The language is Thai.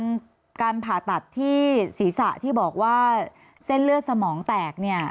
การผ่าตัดที่ศีรษะที่บอกว่าเส้นเลือดสมองแตกเนี่ย